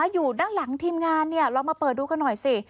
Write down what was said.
อยู่ด้านหลังทีมงานเรามาเปิดดูกันหน่อยสิ